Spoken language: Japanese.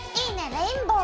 レインボー。